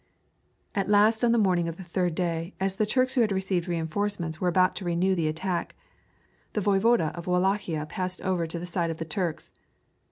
At last on the morning of the third day as the Turks who had received reinforcements were about to renew the attack, the Voyvode of Wallachia passed over to the side of the Turks.